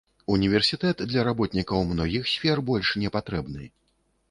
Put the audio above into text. Універсітэт для работнікаў многіх сфер больш не патрэбны.